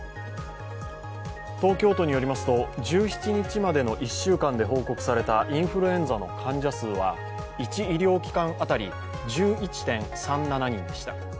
東京都によりますと１７日までの１週間で報告されたインフルエンザの患者数は１位両期間あたり１１．３７人でした。